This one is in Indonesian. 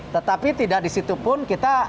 tetapi tidak di situ pun kita